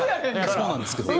そうなんですけど。